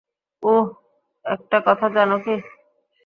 উহ, একটা কথা জানো কি?